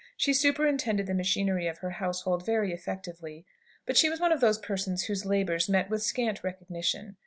She superintended the machinery of her household very effectively. But she was one of those persons whose labours meet with scant recognition.